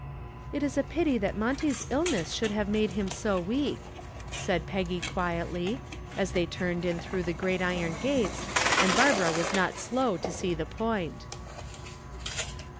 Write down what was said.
"It is a pity that Monty's illness should have made him so weak," said Peggy quietly, as they turned in through the great iron gates, and Barbara was not slow to see the point.